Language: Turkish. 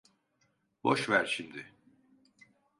Boş ver şimdi.